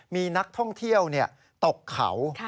มีนักท่องเที่ยวตกเขา